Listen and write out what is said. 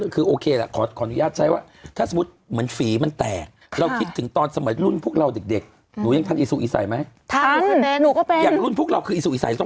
เด็กเด็กเด็กจิ๋วจิ๋วเลยใช่ใช่ประถมอ๋อเพราะฉะนั้นอิสุอิสัยสมัยก่อน